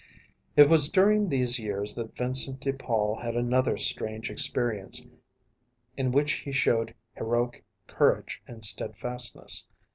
It was during these years that Vincent de Paul had another strange experience in which he showed heroic courage and steadfastness.